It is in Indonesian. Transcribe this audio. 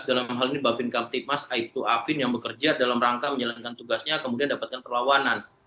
dalam hal ini babin kamtipmas aibtu afin yang bekerja dalam rangka menjalankan tugasnya kemudian dapatkan perlawanan